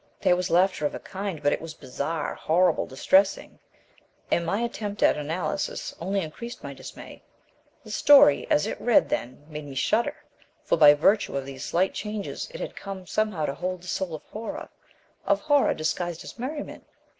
There was laughter of a kind, but it was bizarre, horrible, distressing; and my attempt at analysis only increased my dismay. The story, as it read then, made me shudder, for by virtue of these slight changes it had come somehow to hold the soul of horror, of horror disguised as merriment.